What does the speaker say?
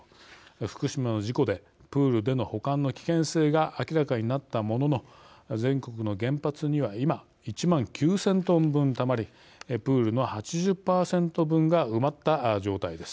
福島の事故でプールでの保管の危険性が明らかになったものの全国の原発には今、１万９，０００トン分たまりプールの８０％分が埋まった状態です。